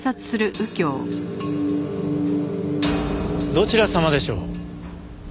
どちら様でしょう？